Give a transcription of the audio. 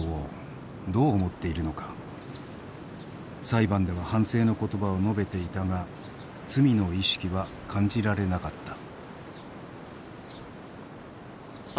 裁判では反省の言葉を述べていたが罪の意識は感じられなかった。